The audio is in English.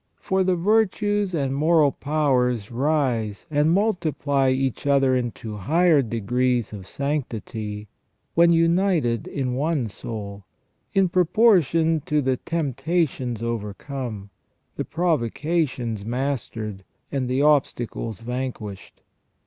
For the virtues and moral powers rise and multiply each other into higher degrees of sanctity when united in one soul, in proportion to the temptations overcome, the provocations mastered, and the obstacles vanquished.